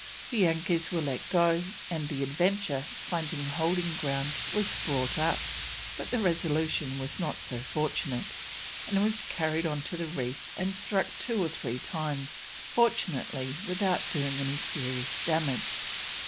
The anchors were let go, and the Adventure, finding holding ground, was brought up; but the Resolution was not so fortunate, and was carried on to the reef and struck two or three times, fortunately without doing any serious damage.